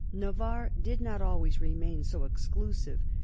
" Navarre " did not always remain so exclusive.